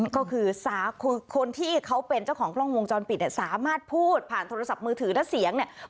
ก็คือคนที่เขาเป็นเจ้าของกล้องวงจรปิดเนี่ยสามารถพูดผ่านโทรศัพท์มือถือและเสียงเนี่ย